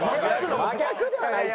真逆ではないです。